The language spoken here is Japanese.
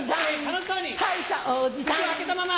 口を開けたまま。